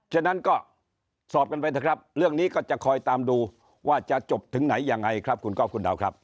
ฉะนั้นก็สอบกันไปเถอะครับเรื่องนี้ก็จะคอยตามดูว่าจะจบถึงไหนยังไงครับคุณก๊อฟคุณดาวครับ